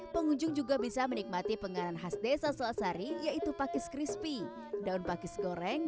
pengunjung juga bisa menikmati penganan khas desa selasari yaitu pakis crispy daun pakis goreng